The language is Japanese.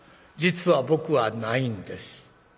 実は僕はないんです。